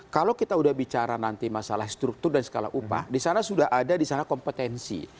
kalau kita sudah bicara nanti masalah struktur dan skala upah di sana sudah ada di sana kompetensi